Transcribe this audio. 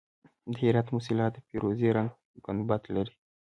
د هرات موسیلا د فیروزي رنګ ګنبد لري